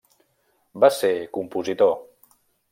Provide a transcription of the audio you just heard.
Va ser compositor.